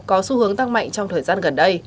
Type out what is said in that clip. có xu hướng tăng mạnh trong thời gian gần đây